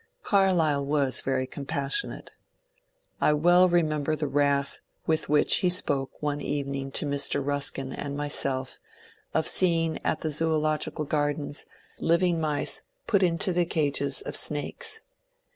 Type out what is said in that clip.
Carlyle was very compassionate. I well remember the wrath with which he spoke one evening to Mr. Ruskin and myself of seeing at the Zoological Gardens living mice put into the 112 MONCURE DANIEL CONWAY cages of the snakes.